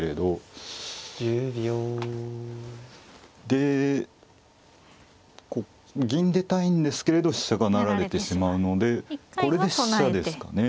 で銀出たいんですけれど飛車が成られてしまうのでこれで飛車ですかね。